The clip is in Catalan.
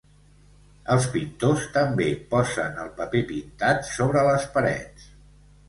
Els pintors també posen el paper pintat sobre les parets.